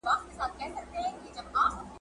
کله به رڼا سي، وايي بله ورځ !.